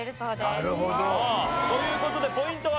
なるほど。という事でポイントは？